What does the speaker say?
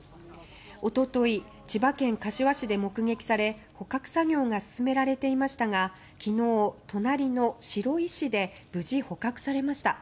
一昨日、千葉県柏市で目撃され捕獲作業が進められていましたが昨日、隣の白井市で無事捕獲されました。